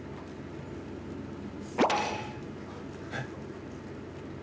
えっ？